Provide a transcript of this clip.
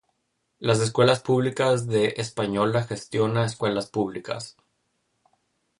Las Escuelas Públicas de Española gestiona escuelas públicas.